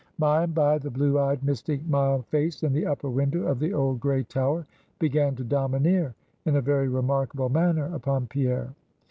By and by the blue eyed, mystic mild face in the upper window of the old gray tower began to domineer in a very remarkable manner upon Pierre.